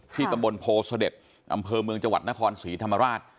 ตำบลโพเสด็จอำเภอเมืองจังหวัดนครศรีธรรมราช